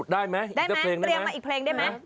ได้ไหมอีกสักเพลงได้ไหมได้ไหมเตรียมมาอีกเพลงได้ไหม